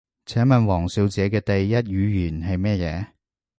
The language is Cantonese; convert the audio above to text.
請問王小姐嘅第一語言係乜嘢？